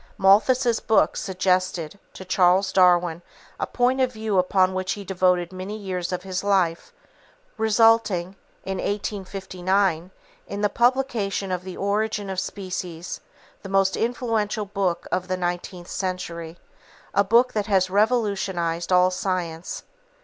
Malthus' book suggested to Charles Darwin a point of view upon which he devoted many years of his life, resulting, in 1859, in the publication of The Origin of Species, the most influential book of the nineteenth century, a book that has revolutionized all science.